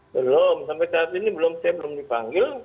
belum sampai saat ini belum saya belum dipanggil